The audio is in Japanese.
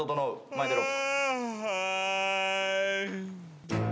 前出ろ。